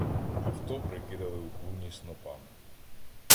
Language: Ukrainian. Авто прикидали у клуні снопами.